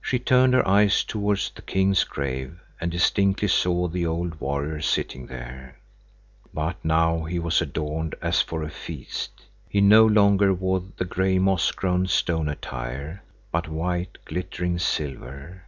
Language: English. She turned her eyes towards the king's grave and distinctly saw the old warrior sitting there. But now he was adorned as for a feast. He no longer wore the gray, moss grown stone attire, but white, glittering silver.